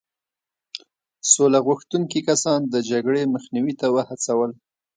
سوله غوښتونکي کسان د جګړې مخنیوي ته وهڅول.